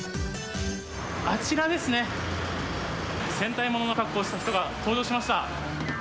あちらですね、戦隊ものの格好をした人が登場しました。